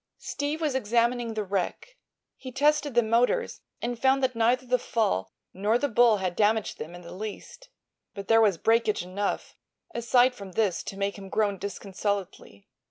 Steve was examining the wreck. He tested the motors and found that neither the fall nor the bull had damaged them in the least. But there was breakage enough, aside from this, to make him groan disconsolately.